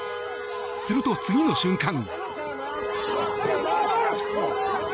すると、次の瞬間。